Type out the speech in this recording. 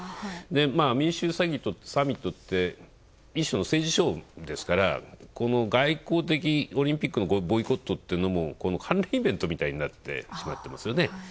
民主主義サミットって一種の政治ショーですからオリンピックの外交的ボイコットというのも関連イベントみたいになってしまってますよね。